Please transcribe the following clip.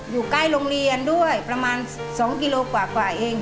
อยู่ใกล้โรงเรียนด้วยประมาณ๒กิโลกว่าเอง